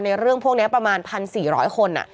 เรื่องพวกนี้ประมาณ๑๔๐๐คน